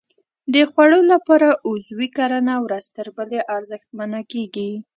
د خوړو لپاره عضوي کرنه ورځ تر بلې ارزښتمنه کېږي.